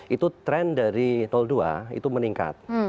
itu tren dari dua itu meningkat